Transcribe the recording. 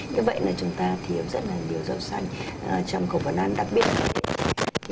như vậy là chúng ta thiếu rất là nhiều rau xanh trong khẩu phần ăn đặc biệt